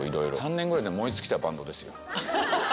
３年ぐらいで燃え尽きたバンドですよ。